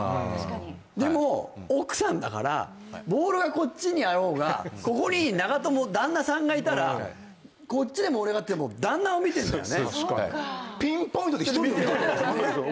でも奥さんだからボールがこっちにあろうがここに旦那さんがいたらこっちで盛り上がっていても旦那を見てるんだよね。